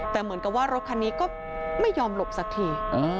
แต่เหมือนกับว่ารถคันนี้ก็ไม่ยอมหลบสักที